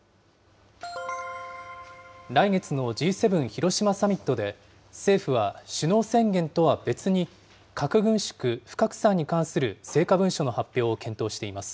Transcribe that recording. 来月のＧ７広島サミットで、政府は首脳宣言とは別に、核軍縮・不拡散に関する成果文書の発表を検討しています。